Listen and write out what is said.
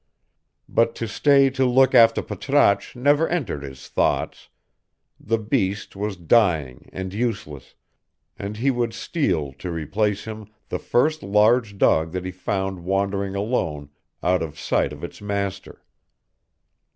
But to stay to look after Patrasche never entered his thoughts: the beast was dying and useless, and he would steal, to replace him, the first large dog that he found wandering alone out of sight of its master.